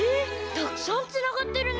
たくさんつながってるね！